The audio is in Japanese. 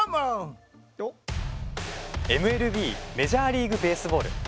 ＭＬＢメジャーリーグベースボール。